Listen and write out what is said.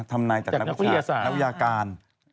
ทำนายจากนักวิทยาศาสตร์นักวิทยาการ